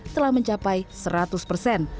telah mencapai seratus persen